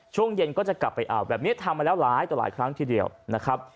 ช่วงเย็นก็จะกลับไปอ่าวแบบนี้ทำมาแล้วหลายต่อหลายครั้งทีเดียวนะครับ